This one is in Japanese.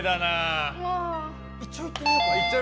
一応行ってみようかな。